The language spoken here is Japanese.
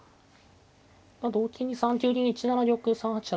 同金に３九銀１七玉３八飛車